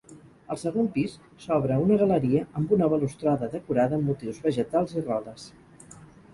Al segon pis s'obre una galeria amb una balustrada decorada amb motius vegetals i rodes.